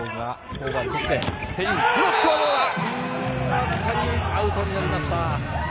わずかにアウトになりました。